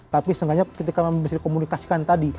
tapi seenggaknya ketika bisa dikomunikasikan tadi